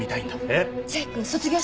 えっ？